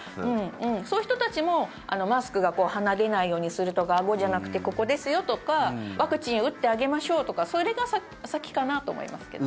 そういう人たちも、マスクが鼻、出ないようにするとかあごじゃなくて、ここですよとかワクチン打ってあげましょうとかそれが先かなと思いますけどね。